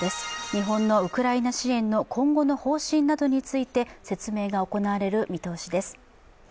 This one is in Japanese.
日本のウクライナ支援の今後の方針などについて説明が行われる見通しです。